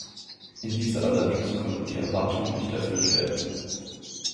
In dieser allerdings konnten die Erwartungen nicht erfüllt werden.